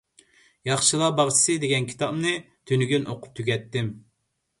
«ياخشىلار باغچىسى» دېگەن كىتابنى تۈنۈگۈن ئوقۇپ تۈگەتتىم.